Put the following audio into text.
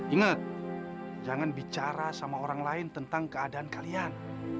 ingat jangan bicara sama orang lain tentang keadaan kalian